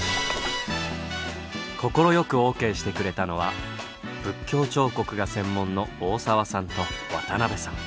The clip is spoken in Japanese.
快くＯＫしてくれたのは仏教彫刻が専門の大澤さんと渡辺さん。